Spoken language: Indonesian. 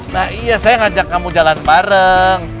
nah iya saya ngajak kamu jalan bareng